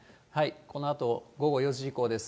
このあと午後４時以降です。